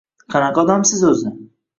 Qanaqa odamsiz, o‘zi?